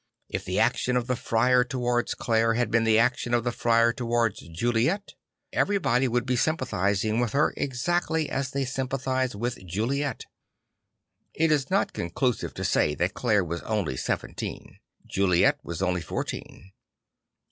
If the action of the Friar towards Clare had been the action of the Friar towards Juliet, everybody would be sympathising with her exactly as they sympathise with Juliet. It is not conclusive to say that Clare was only seven teen. Juliet was only fourteen.